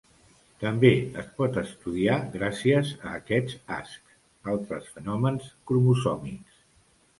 També es pot estudiar, gràcies a aquests ascs, altres fenòmens cromosòmics.